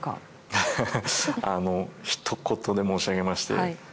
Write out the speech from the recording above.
ハハハひと言で申し上げまして。